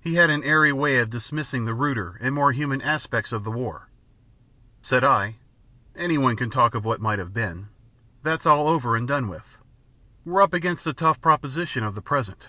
He had an airy way of dismissing the ruder and more human aspects of the war. Said I: "Anyone can talk of what might have been. But that's all over and done with. We're up against the tough proposition of the present.